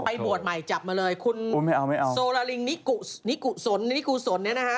ไปบวชใหม่จับมาเลยคุณโซลาลิงนิกุสนนิกุสนเนี่ยนะฮะ